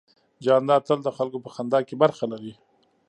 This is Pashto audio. جانداد تل د خلکو په خندا کې برخه لري.